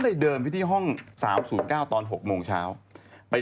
กลัวว่าผมจะต้องไปพูดให้ปากคำกับตำรวจยังไง